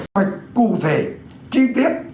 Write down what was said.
phải cụ thể chi tiết